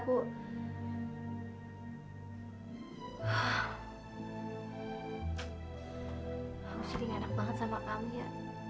aku sering enak banget sama kamu ya